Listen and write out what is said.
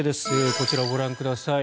こちらをご覧ください。